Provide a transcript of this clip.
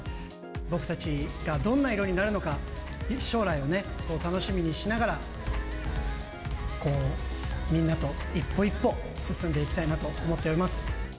僕たちがどんな色になるのか、将来を楽しみにしながら、こう、みんなと一歩一歩進んでいきたいなと思っております。